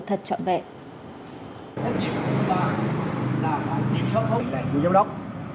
thật trọn vẹn